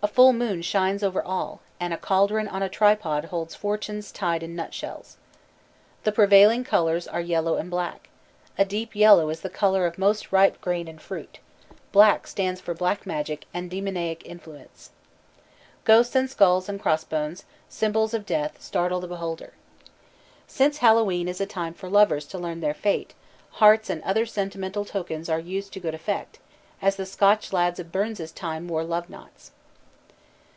A full moon shines over all, and a caldron on a tripod holds fortunes tied in nut shells. The prevailing colors are yellow and black: a deep yellow is the color of most ripe grain and fruit; black stands for black magic and demoniac influence. Ghosts and skulls and cross bones, symbols of death, startle the beholder. Since Hallowe'en is a time for lovers to learn their fate, hearts and other sentimental tokens are used to good effect, as the Scotch lads of Burns's time wore love knots.